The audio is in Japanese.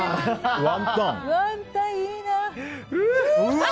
ワンタンいいな！